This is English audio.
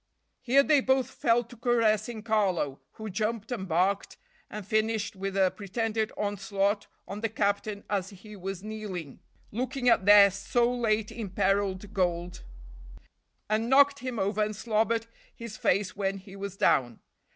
Here they both fell to caressing Carlo, who jumped and barked and finished with a pretended onslaught on the captain as he was kneeling, looking at their so late imperiled gold, and knocked him over and slobbered his face when he was down.